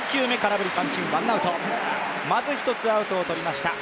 まず１つアウトをとりました。